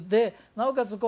なおかつ